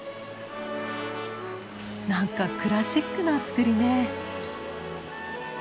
何かクラシックな造りね。